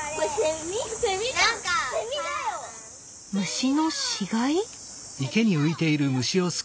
虫の死骸？